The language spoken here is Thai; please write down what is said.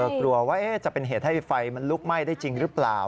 กลัวว่าจะเป็นเหตุให้ไฟมันลุกไหม้ได้จริงหรือเปล่า